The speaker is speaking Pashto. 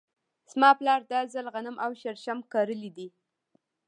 زما پلار دا ځل غنم او شړشم کرلي دي .